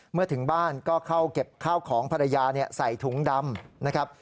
เมื่อถึงบ้านก็เข้าเก็บข้าวของภรรยาใส่ถุงดำนะครับ